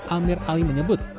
amir ali menyebut